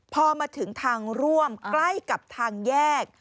พอมาถึงทางร่วมใกล้กับทางแยก